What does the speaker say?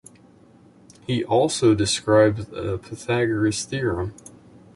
He also described a Pythagoras theorem.